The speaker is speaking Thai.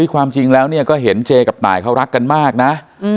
ความจริงแล้วเนี่ยก็เห็นเจกับตายเขารักกันมากนะ